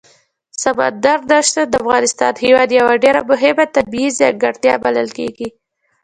سمندر نه شتون د افغانستان هېواد یوه ډېره مهمه طبیعي ځانګړتیا بلل کېږي.